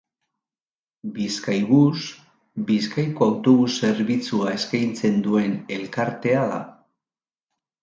Bizkaibus Bizkaiko autobus zerbitzua eskaintzen duen elkartea da.